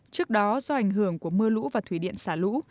trước đó do ảnh hưởng của mưa lũ và thủy điện xả lũ